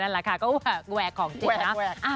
เออนั่นแหละค่ะก็แหวกแหวกของจริงนะ